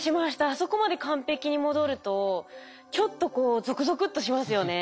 あそこまで完璧に戻るとちょっとこうゾクゾクッとしますよね。